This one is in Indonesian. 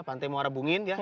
pantai muara bungin ya